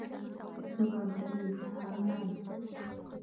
يَأتوكَ بِكُلِّ سَحّارٍ عَليمٍ